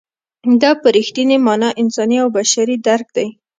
دا په رښتینې مانا انساني او بشري درک دی.